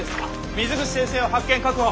水口先生を発見確保。